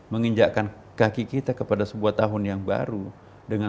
menginjakkan kaki dalam sebuah rumah baru itu kan harus ada acara acara khusus doa doanya kan